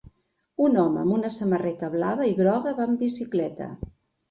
Un home amb una samarreta blava i groga va en bicicleta.